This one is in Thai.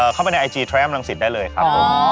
เข้าไปในไอจีแรมรังสิตได้เลยครับผม